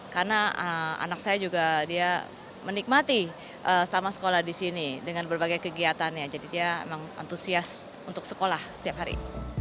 saya merasa juga dia menikmati selama sekolah disini dengan berbagai kegiatannya jadi dia emang antusias untuk sekolah setiap hari